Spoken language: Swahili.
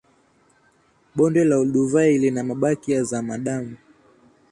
bonde la olduvai lina mabaki ya zamadamu